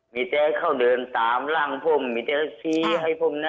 มีแต่เขาเดินตามร่างผมมีแต่ชี้ให้ผมนะ